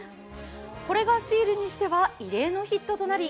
これがシールにしては異例のヒットとなり